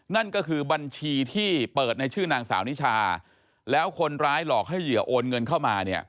นั่นก็คือบัญชีที่เปิดในชื่อนางสาวนิชาแล้วคนร้ายหลอกให้เหยื่อโอนเงินเข้ามาเนี่ย